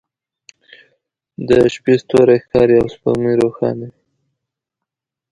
د شپې ستوری ښکاري او سپوږمۍ روښانه وي